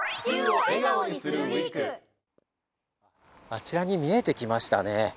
あちらに見えてきましたね